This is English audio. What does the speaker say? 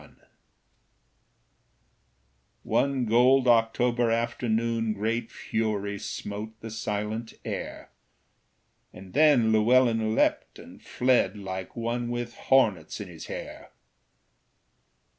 One gold October afternoon Great fury smote the silent air; And then Llewellyn leapt and fled Like one with hornets in his hair.